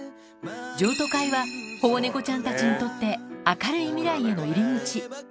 譲渡会は保護猫ちゃんたちにとって、明るい未来への入り口。